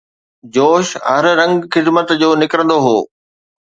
جوش، هر رنگ خدمت جو نڪرندو هو